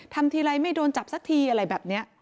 ทำทีไรไม่โดนจับสักทีอะไรแบบนี้